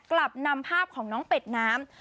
กลับนำภาพของน้องเป็ดน้ำ